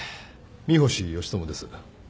三星義知です。